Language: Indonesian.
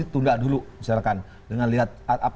tunda dulu misalkan dengan lihat